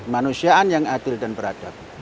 kemanusiaan yang adil dan beradab